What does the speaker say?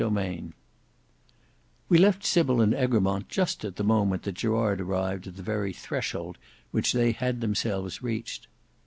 Book 4 Chapter 8 We left Sybil and Egremont just at the moment that Gerard arrived at the very threshold which they had themselves reached.